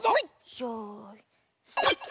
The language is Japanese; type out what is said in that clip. よいスタート！